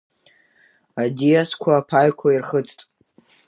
Аӡиасқәа аԥаҩқәа ирхыҵт…